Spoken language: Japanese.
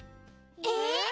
えっ？